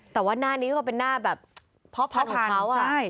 แต่ว่าน่านี้ก็เป็นหน้าแบบพอพันธุ์ของเขา